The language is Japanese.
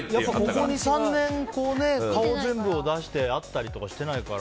ここ２３年、顔全部を出して会ったりしてないから。